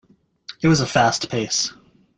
It was a fast pace.